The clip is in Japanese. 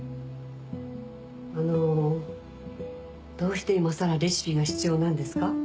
あのどうして今さらレシピが必要なんですか？